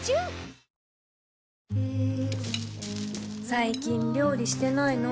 最近料理してないの？